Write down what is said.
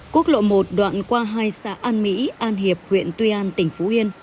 quốc lộ một đoạn qua hai xã an mỹ an hiệp huyện tuy an tỉnh phú yên